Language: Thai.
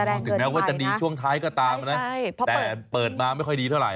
ถึงแม้ว่าจะดีช่วงท้ายก็ตามนะแต่เปิดมาไม่ค่อยดีเท่าไห